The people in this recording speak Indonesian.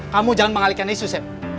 kamu jangan mengalihkan isu chef